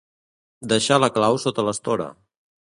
Deixar la clau sota l'estora.